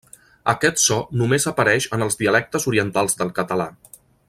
Aquest so només apareix en els dialectes orientals del català.